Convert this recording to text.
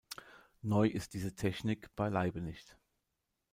Neu ist diese Technik beileibe nicht.